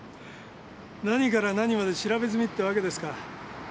何から何まで調べ済みってわけですか。